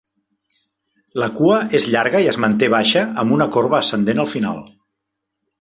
La cua és llarga i es manté baixa amb una corba ascendent al final.